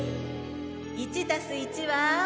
１＋１は？